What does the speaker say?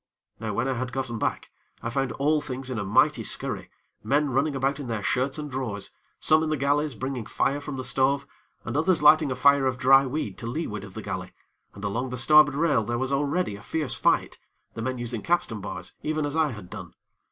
Now when I had gotten back, I found all things in a mighty scurry men running about in their shirts and drawers, some in the galley bringing fire from the stove, and others lighting a fire of dry weed to leeward of the galley, and along the starboard rail there was already a fierce fight, the men using capstan bars, even as I had done.